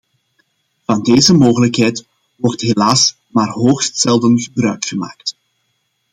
Van deze mogelijkheid wordt helaas maar hoogst zelden gebruik gemaakt.